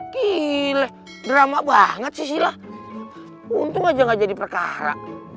gile drama banget sih sila untung aja ga jadi perkara